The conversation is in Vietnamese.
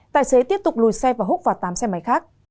tài xế tiếp tục lùi xe và húc vào tám xe máy khác